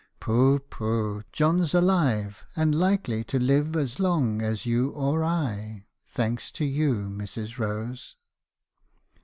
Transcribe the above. "'Pooh! pooh! John's alive, and likely to live as long as you or I, thanks to you, Mrs. Rose.'